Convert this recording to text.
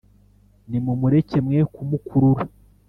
Nimumureke mwe kumukurura